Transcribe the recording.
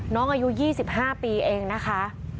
น้องอายุ๒๕ปีเองนะคะ